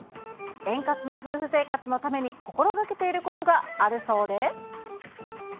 円滑な夫婦生活のために、心がけていることがあるそうで。